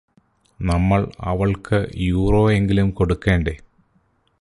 നമ്മൾ അവൾക്ക് യൂറോയെങ്കിലും കൊടുക്കേണ്ടേ